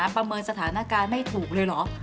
ประเมินสถานการณ์ไม่ถูกเลยเหรอ